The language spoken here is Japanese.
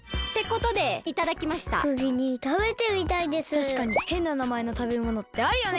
たしかにへんな名前のたべものってあるよね。